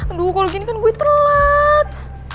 aduh kalau gini kan gue telat